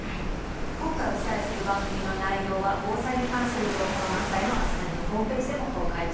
今回お伝えする番組の内容は防災に関する情報が満載の「明日ナビ」のホームページでも公開中です。